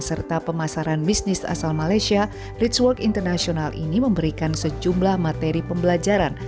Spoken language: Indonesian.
serta pemasaran bisnis asal malaysia richwork international ini memberikan sejumlah materi pembelajaran